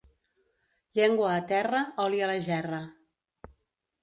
Llengua a terra, oli a la gerra.